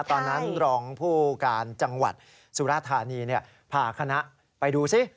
ตอนนั้นรองผู้การจังหวัดสุรธานีพาคณะไปดูซิ